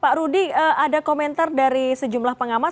pak rudy ada komentar dari sejumlah pengamat